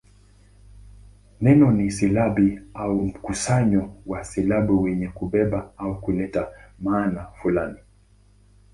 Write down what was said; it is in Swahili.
Neno ni silabi au mkusanyo wa silabi wenye kubeba au kuleta maana fulani.